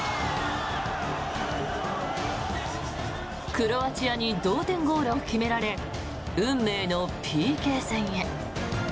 クロアチアに同点ゴールを決められ運命のＰＫ戦へ。